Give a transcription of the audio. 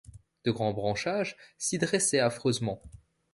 De grands branchages s’y dressaient affreusement.